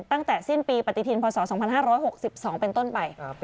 ตั้งแต่สิ้นปีปฏิทินพศ๒๕๖๒เป็นต้นไป